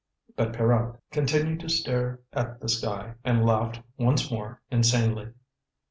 But Pierrot continued to stare at the sky, and laughed once more inanely.